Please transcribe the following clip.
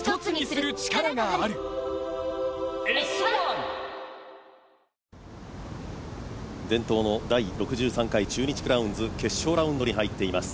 「ｄプログラム」伝統の第６３回中日クラウンズ決勝ラウンドに入っています。